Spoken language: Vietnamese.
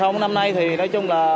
năm nay thì nói chung là